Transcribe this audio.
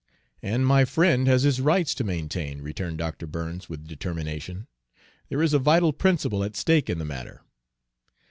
"And my friend has his rights to maintain," returned Dr. Burns with determination. "There is a vital principle at stake in the matter."